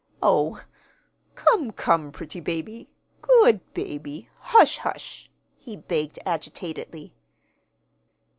"Oh, come, come, pretty baby, good baby, hush, hush," he begged agitatedly.